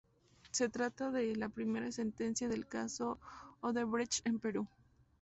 Se trata de la primera sentencia del caso Odebrecht en Perú.